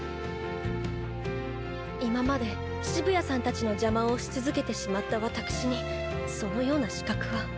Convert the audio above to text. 今まで澁谷さんたちの邪魔をし続けてしまったわたくしにそのような資格は。